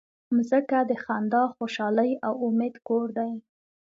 مځکه د خندا، خوشحالۍ او امید کور دی.